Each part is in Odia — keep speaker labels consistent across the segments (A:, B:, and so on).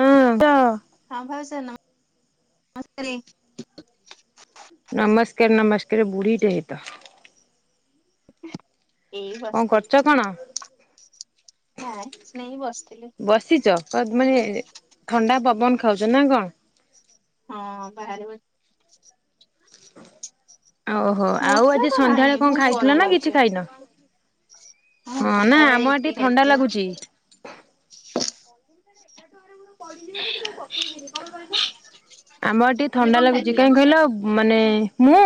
A: ହଁ ତ
B: ହଁ ଭାଉଜ ନମ ସ୍କାର।
A: ନମସ୍କାର ନମସ୍କାର ବୁଢୀ ଟେ ହେଇତ।
B: ଏଇ
A: କଣ
B: ବସଥିଲି।
A: କରୁଛ କଣ?
B: କିଛି ନାଇଁ ବସିଥିଲି।
A: ବସିଛ କ ଦ୍ ମାନେ ଥଣ୍ଡା ପବନ ଖାଉଛ ନା କଣ?
B: ହଁ ବାହାରେ ବଟ୍
A: ଓହୋ ଆଉ
B: ବର୍ଷା
A: ଆଜି
B: ତ
A: ସନ୍ଧ୍ୟାବେଳେ
B: ନାହିଁ
A: କଣ
B: ବହୁତ
A: ଖାଇଥିଲ
B: ଗରମ
A: ନା କିଛି
B: ଲାଗୁଛେ।
A: ଖାଇନ?
B: ହଁ
A: ହଁ ନା
B: ସନ୍ଧ୍ୟାବେଳେ
A: ଆମର ଟିକେ
B: ୟିପୀ
A: ଥଣ୍ଡା
B: ଖାଇଥିଲୁ।
A: ଲାଗୁଛି ଆମ ଏଠି
B: ତୁମେ
A: ଥଣ୍ଡା
B: କଣ
A: ଲାଗୁଚି
B: ଖାଇଥିଲ?
A: କାହିଁ କହିଲ ମାନେ ମୁଁ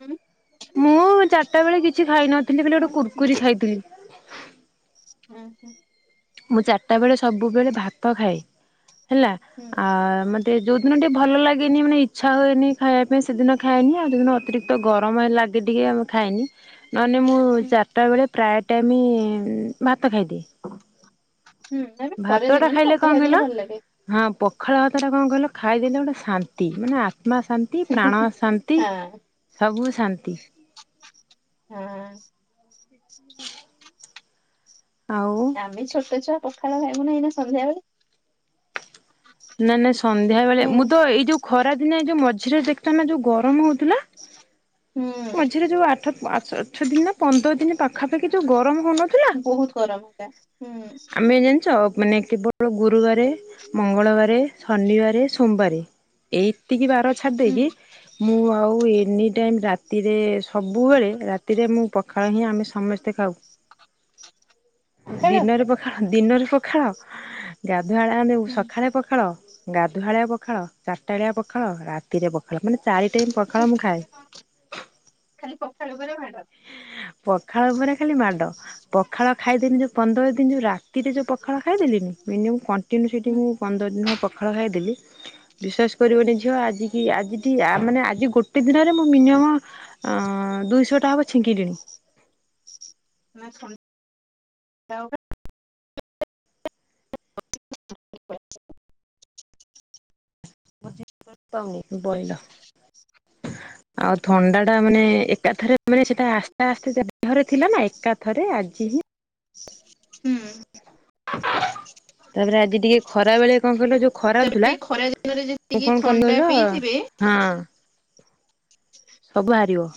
B: ହୁଁ
A: ଚା ଚାଟାବେଳେ କିଛି ଖାଇନଥିଲି ବୋଲି ଗୋଟେ କୁରକୁରି ଖାଇଥିଲି।
B: ହୁଁ ହୁଁ।
A: ମୁଁ ଚାରିଟା ବେଳେ ସବୁବେଳେ ଭାତ ଖାଏ ହେଲା ଆ ମତେ ତେ ଯୋଉଦିନ ଟିକେ ଭଲ ଲାଗେନି ମାନେ ଇଚ୍ଛା ହୁଏନି ଖାଇବା ପାଇଁ ସେଦିନ ଖାଏନି ଆଉ ଯଉଦିନ ଅତିରିକ୍ତ ତ ଗରମ ହେ ଲାଗେ ଟିକେ ଆମେ ଖାଏନି। ନାହେନେ ମୁଁ
B: ହୁଁ
A: ଚାରିଟା ବେଳେ ପ୍ରାୟ ଟାଇମ୍ ଭାତ ଖାଇଦିଏ।
B: ହୁଁ ମାନେ
A: ଭାତ ଟା
B: ଖରେଦିନ ନା
A: ଖାଇଲେ
B: ଭାତ
A: କଣ କହିଲ
B: ଖାଇଦେଲେ ଭଲ ଲାଗେ।
A: ହଁ ପଖାଳ ହାତ ଟା କଣ କହିଲ ଖାଇଦଲେ ଗୋଟେ ଶାନ୍ତି ମାନେ ଆତ୍ମା ଶାନ୍ତି ନ୍ତି ପ୍ରାଣ ଶାନ୍ତି
B: ହଁ
A: ସବୁ ଶାନ୍ତି।
B: ହଁ।
A: ଆଉ
B: ଆମେ ଛୋଟ ଛୁଆ ପଖାଳ ଖାଇବୁ ନା ଏଇନା ସନ୍ଧ୍ୟାବେଳେ।
A: ନା ନା ସନ୍ଧ୍ୟା ବେଳେ
B: ସେଥିପାଇଁ
A: ମୁଁ
B: ଆଉ।
A: ତ ଏଇ ଯୋଉ ଖରା ଦିନ ଏଇ ଯୋଉ ମଝିରେ ଦେଖିଚନା ଯୋଉ ଗରମ ହଉଥିଲା।
B: ହୁଁ
A: ମଝିରେ ଯୋଉ ଆଠ ଅଠ ଦିନ ନା ପନ୍ଦର ଦିନ ପାଖାପାଖି ଯୋଉ ଗରମ ହଉନଥିଲା
B: ବହୁତ ଗରମ ହେଲା ହୁଁ
A: ଆମେ ଜାଣିଚ ମାନେ କେବଳ ଗୁରୁବାରେ ମଙ୍ଗଳବାରେ ଶନିବାରେ ସୋମବାର ଏଇତିକି ବାର ଛାଡି
B: ହୁଁ
A: ଦେଇକି ମୁଁ ଆଉ ଏନି ଟାଇମ ରାତି ରାତିରେ ସବୁବେଳେ ରାତିରେ ମୁଁ ପଖାଳ ହିଁ ଆମେ ସମସ୍ତେ ଖାଉ।
B: ପଖାଳ
A: ଦିନରେ ପଖାଳ ଦିନରେ ପଖାଳ ଗାଧୁଆଳ ଆମେ
B: ହୁଁ
A: ସକାଳେ ପଖାଳ ଗାଧୁଆଳିଆ ପଖାଳ ଚାରିଟାଳିଆ ପଖାଳ ରାତିରେ ପଖାଳ ମାନେ ଚାରି ଟାଇମ ପଖାଳ ମୁଁ ଖାଏ।
B: ଖାଲି ପଖାଳ ଉପରେ ମାଡ।
A: ପଖାଳ ଉପରେ ଖାଲି ମାଡ। ପଖାଳ ଖାଇଦେନି ଯୋଉ ପନ୍ଦର ଦିନ ଯୋଉ ରାତିରେ ଯୋଉ ପଖାଳ ଖାଇଦେଲିନି ମିନିମମ୍ କ୍ୱାନ୍ କଣ୍ଟିନୁ ସେଠି
B: ହୁଁ।
A: ମୁଁ ପନ୍ଦର ଦିନ ପଖାଳ ଖାଇଦେଲି ବିଶ୍ୱାସ କରିବନି ଝିଅ ଆଜି କି ଆଜି ଠି ଆ ମାନେ ଆଜି ଗୋଟେ ଦିନରେ ମୁଁ ମିନିମମ୍ ଅ ଦୁଇଶହ ଟା ହବ ଛିଙ୍କିି ଲିଣୀ।
B: ନା [unintelligible]
A: ମ ପାଉନ ବ୍ରଏଲର [unintelligible] ଆଉ ଥଣ୍ଡା ଟା ମାନେ ଏକାଥରେ ମାନେ ସେଟା ଆସ୍ତେ ଆସ୍ତେ ଦେହରେ ଥିଲା ନା ଏକାଥରେ ଆଜି ହିଁ
B: ହୁଁ।
A: ତାପରେ ଆଜି ଟିକେ ଖରା ବେଳେ କଣ କହିଲ ଯୋଉ ଖରାପ
B: ତେବେ
A: ହେଲା
B: ଏଇ ଖରା ଦିନରେ
A: ମୁଁ
B: ଯେତିକି
A: କଅଁ କନି
B: ଥଣ୍ଡା
A: କହିଲ
B: ପିଇଥିବେ
A: ହଁ। ସବୁ ବହାରିବ।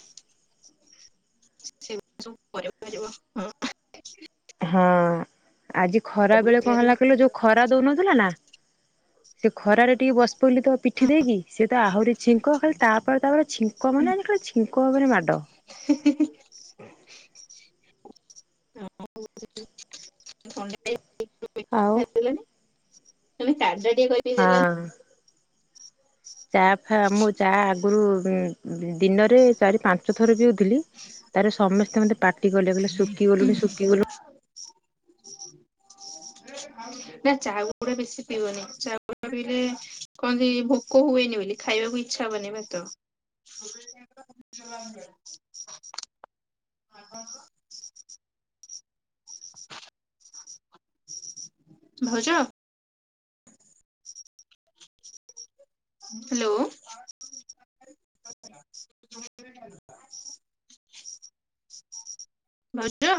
B: [unintelligible]
A: ହଁ ଆଜି ଖରା
B: ସବୁ
A: ବେଳେ କଣ
B: ହେଇପାରିବ
A: ହେଲା କହିଲ ଯୋଉ ଖରା ଦଉନଥିଲା ନା ସେ ଖରାରେ ଟିକେ ବସି ପଡ଼ିଲି ତ ପିଠି ଦେଇକି ସେି ତ ଆହୁରି ଛିଙ୍କ ଖାଲି ତାପରେ ତା ପରେ ଛିଙ୍କ ମାନେ ଖାଲି ଛିଙ୍କ ଉପରେ ମାଡ଼।
B: ହି ହି
A: ଆଉ
B: [unintelligible] [unintelligible]
A: ହଁ। ଚା ଫା ମୁ ଚା ଆଗରୁ ଦିନରେ ଚାରି ପାଞ୍ଚ ଥର ପିଉଥିଲି। ତାରେ ସମସ୍ତେ ମତେ ପାଟି କଲେ, କଲେ ସୁ
B: ହୁଁ। ନା ଚା ଗୁଡା ବେଶୀ ପିଇବନି ଚା ଉଡା ପିଇଲେ କହନ୍ତି ଭୋ କ ହୁଏନି ବୋଲି ଖାଇବାକୁ ଇଚ୍ଛା ହୁଅନି ଭାତ। [inaudible] ଭାଉଜ। ହ୍ୟାଲୋ ଭାଉଜ